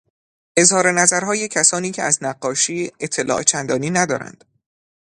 اظهار نظرهای کسانی که از نقاشی اطلاع چندانی ندارند